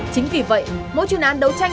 chính vì vậy mỗi chuyên án đấu tranh